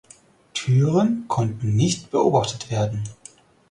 Türen konnten nicht beobachtet werden.